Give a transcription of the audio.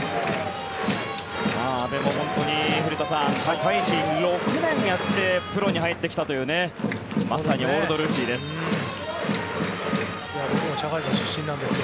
阿部も社会人６年やってプロに入ってきたというまさにオールドルーキーです。